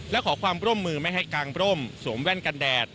และขอความร่วมมือไม่ให้กางร่มสวมแว่นกันแดด